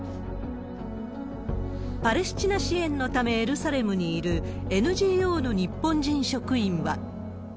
パレスチナ支援のため、エルサレムにいるＮＧＯの日本人職員は。